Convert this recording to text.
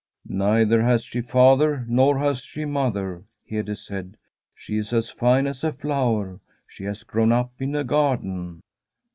' Neither has she father nor has she mother,' Hede said. ' She is as fine as a flower ; she has grown up in a garden.'